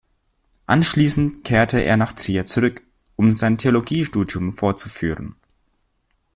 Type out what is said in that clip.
Anschließend kehrte er nach Trier zurück, um sein Theologiestudium fortzuführen.